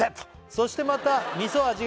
「そしてまたみそ味が」